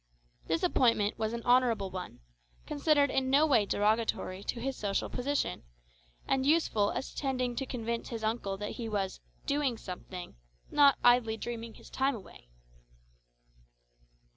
This appointment was an honourable one, considered in no way derogatory to his social position, and useful as tending to convince his uncle that he was "doing something," not idly dreaming his time away.